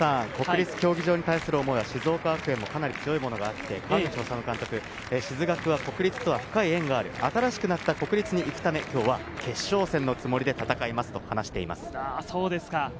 国立競技場に対する思いは静岡学園もかなり強いものがあって、川口修監督、静学は国立は深い縁がある、新しくなった国立に行くため、今日は決勝戦のつもりで戦いますと話しています。